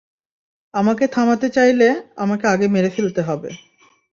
আমাকে থামাতে চাইলে, আমাকে আগে মেরে ফেলতে হবে।